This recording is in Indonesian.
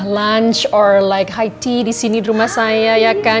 lunch or like high tea disini di rumah saya ya kan